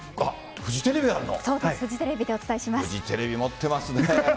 フジテレビ、持ってますね。